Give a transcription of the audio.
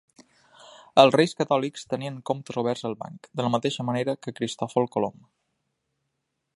Els Reis Catòlics tenien comptes oberts al Banc, de la mateixa manera que Cristòfol Colom.